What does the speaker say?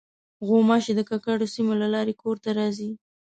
غوماشې د ککړو سیمو له لارې کور ته راځي.